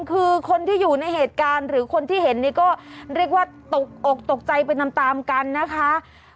คือคนที่อยู่ในเหตุการณ์หรือคนที่เห็นนี่ก็เรียกว่าตกอกตกใจไปตามตามกันนะคะ